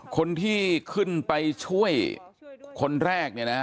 คนที่ขึ้นไปช่วยคนแรก